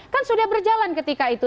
kan sudah berjalan ketika itu